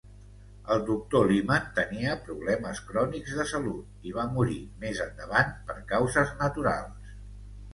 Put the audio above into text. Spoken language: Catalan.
El Dr. Limann tenia problemes crònics de salut i va morir més endavant per causes naturals.